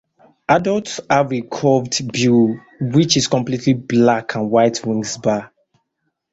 Adults have a curved bill which is completely black and white wing bars.